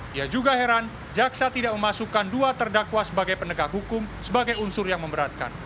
dia juga heran jaksa tidak memasukkan dua terdakwa sebagai penegak hukum sebagai unsur yang memberatkan